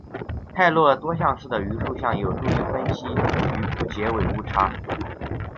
泰勒多项式的余数项有助于分析局部截尾误差。